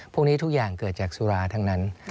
พวกนี้ทุกอย่างเกิดจากสุราทั้งนั้น